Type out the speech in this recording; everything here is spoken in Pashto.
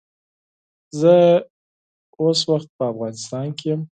زه اوس مهال په افغانستان کې یم